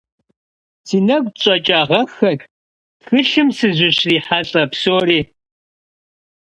Си нэгу щӀэкӀагъэххэт тхылъым сызыщрихьэлӀэ псори.